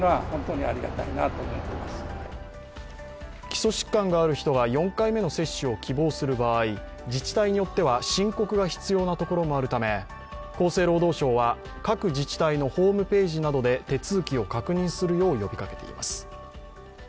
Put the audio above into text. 基礎疾患がある人が４回目の接種を希望する場合自治体によっては申告が必要なところもあるため、厚生労働省は各自治体のホームページなどで手続きを確認するよう呼びかけています。